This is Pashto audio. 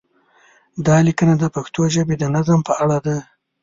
دا لیکنه د پښتو ژبې د نظم په اړه ده.